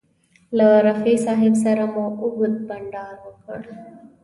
له رفیع صاحب سره مو اوږد بنډار وکړ.